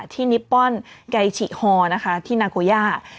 ที่นิปป้อนไกชิฮอนะคะที่นาโกย่า